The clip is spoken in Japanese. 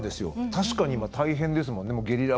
確かに、今、大変ですもんね。